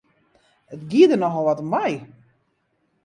It gie der nochal wat om wei!